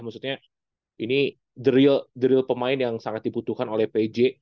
maksudnya ini derill pemain yang sangat dibutuhkan oleh pj